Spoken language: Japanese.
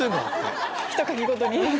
ひとかきごとに。